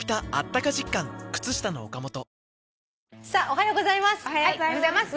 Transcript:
「おはようございます。